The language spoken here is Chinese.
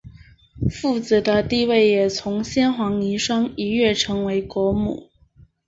富子的地位也从先皇遗孀一跃成为国母。